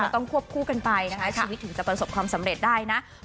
ต้องควบคู่กันไปนะคะชีวิตถึงจะประสบความสำเร็จได้นะ